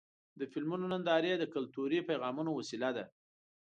د فلمونو نندارې د کلتوري پیغامونو وسیله ده.